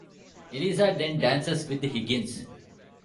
Eliza then dances with Higgins.